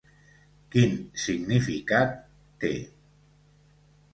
Quin significat t